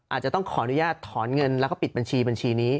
อาจจะต้องขออนุญาตถอนเงินแล้วก็ปิดบัญชีบัญชีนี้